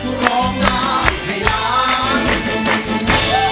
คือร้องได้ให้ล้าน